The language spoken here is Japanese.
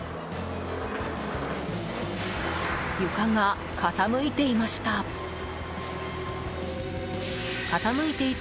床が傾いていました。